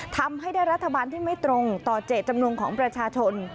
ทำให้ได้รัฐบาลที่ไม่ตรงต่อเจตจำนงของประชาชน